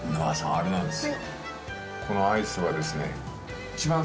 あれなんです。